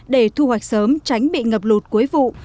để thu hoạch sớm tránh bị ngập lụt cuối vụ